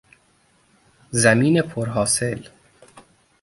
زمین پر حاصل